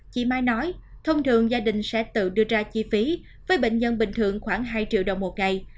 chị mai nói thông thường gia đình sẽ tự đưa ra chi phí với bệnh nhân bình thường khoảng hai triệu đồng một ngày